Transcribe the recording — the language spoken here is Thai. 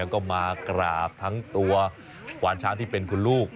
ก็มากราบทั้งตัวควานช้างที่เป็นคุณลูก